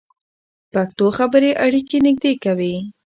پښتو خبرې اړیکې نږدې کوي.